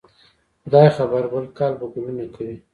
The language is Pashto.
خدای خبر؟ بل کال به ګلونه کوي